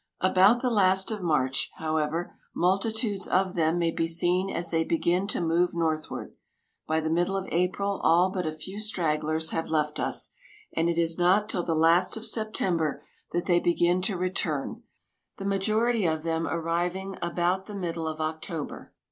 About the last of March, however, multitudes of them may be seen as they begin to move northward. By the middle of April all but a few stragglers have left us, and it is not till the last of September that they begin to return, the majority of them arriving about the middle of October.